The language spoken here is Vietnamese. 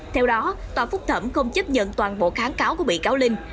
theo đó tòa phúc thẩm không chấp nhận toàn bộ kháng cáo của bị cáo linh